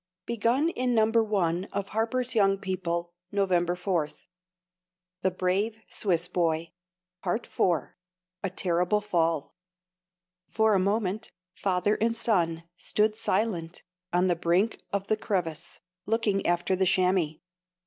[Begun in No. 1 of HARPER'S YOUNG PEOPLE, NOV. 4.] THE BRAVE SWISS BOY. IV. A TERRIBLE FALL. For a moment father and son stood silent on the brink of the crevasse, looking after the chamois.